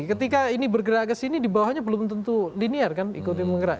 ketika ini bergerak ke sini di bawahnya belum tentu linear kan ikuti menggerak